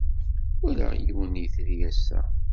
Walaɣ yiwen n yitri ass-a.